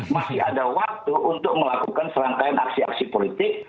masih ada waktu untuk melakukan serangkaian aksi aksi politik